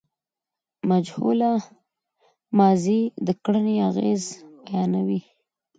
مجهوله ماضي د کړني اغېز بیانوي.